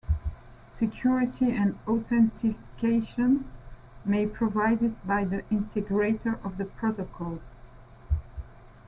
Security and authentication may provided by the Integrator of the protocol.